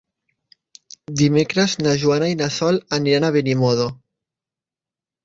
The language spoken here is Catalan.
Dimecres na Joana i na Sol aniran a Benimodo.